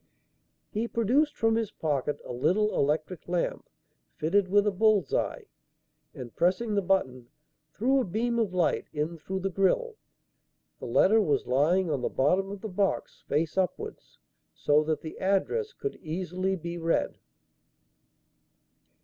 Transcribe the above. He produced from his pocket a little electric lamp fitted with a bull's eye, and, pressing the button, threw a beam of light in through the grille. The letter was lying on the bottom of the box face upwards, so that the address could easily be read.